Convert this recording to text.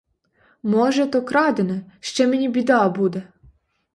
Може, то крадене, ще мені біда буде!